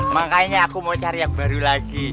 makanya aku mau cari yang baru lagi